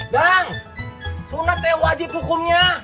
dang sunat teh wajib hukumnya